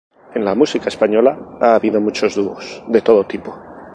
En la música española, ha habido dúos de todo tipo.